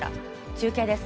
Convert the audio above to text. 中継です。